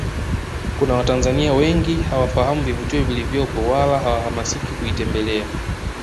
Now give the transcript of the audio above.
Kuna Watanzania wengi hawafahamu vivutio vilivyopo wala hawahamasiki kuitembelea